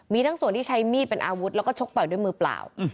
มีทั้งส่วนที่ใช้มีดเป็นอาวุธแล้วก็ชกต่อยด้วยมือเปล่า